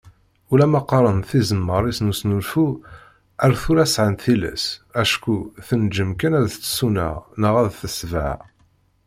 Ulamma qqaren-d tizemmar-is n usnulfu ar tura sɛant tilas, acku tenǧem kan ad tsuneɣ neɣ ad tesbeɣ.